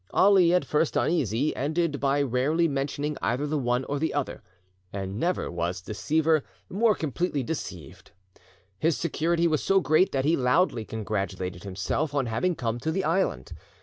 Ali, at first uneasy, ended by rarely mentioning either the one or the other, and never was deceiver more completely deceived. His security was so great that he loudly congratulated himself on having come to the island.